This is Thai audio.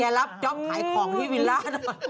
แกรอบจอมขายของที่วิลล่านะ